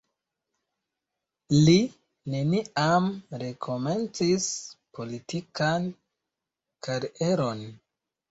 Li neniam rekomencis politikan karieron.